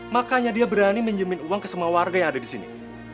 makanya dia berani menjamin uang ke semua warga yang ada di sini